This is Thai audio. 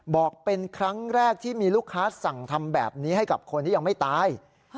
บอกเป็นครั้งแรกที่มีลูกค้าสั่งทำแบบนี้ให้กับคนที่ยังไม่ตาย